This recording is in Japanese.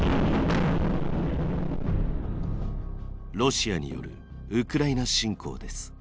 ロシアによるウクライナ侵攻です。